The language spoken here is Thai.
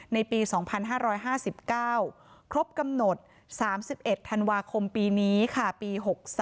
ในปี๒๕๕๙ครบกำหนด๓๑ธันวาคมปีนี้ค่ะปี๖๓